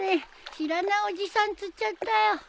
知らないおじさん釣っちゃったよ。